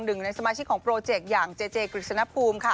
หนึ่งในสมาชิกของโปรเจกต์อย่างเจเจกฤษณภูมิค่ะ